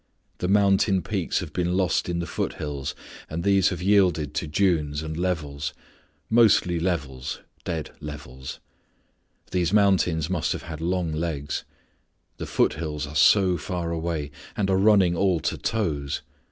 The mountain peaks have been lost in the foothills, and these have yielded to dunes, and levels; mostly levels; dead levels. These mountains must have had long legs. The foothills are so far away, and are running all to toes.